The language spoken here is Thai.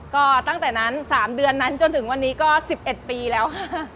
ก็ตั้งแต่นั้น๓เดือนนั้นจนถึงวันนี้ก็๑๑ปีแล้วค่ะ